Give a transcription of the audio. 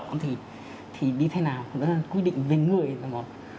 vùng đỏ thì đi thế nào quyết định về người là một